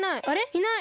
いない。